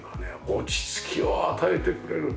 落ち着きを与えてくれる。